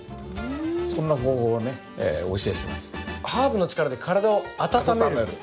ハーブの力で体を温める？